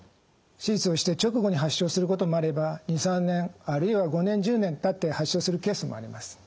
手術をして直後に発症することもあれば２３年あるいは５年１０年たって発症するケースもあります。